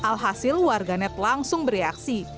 alhasil warganet langsung bereaksi